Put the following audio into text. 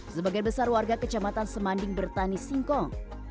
sebagian besar warga kecamatan semanding bertani singkong